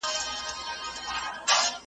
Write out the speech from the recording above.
يوه ورځ ابليس راټول كړل اولادونه .